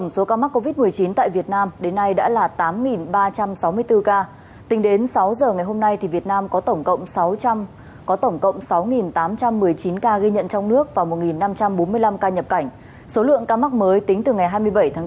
xin chào các bạn